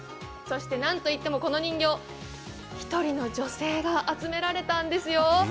そして、何といってもこの人形、１人の女性が集められたんですよ。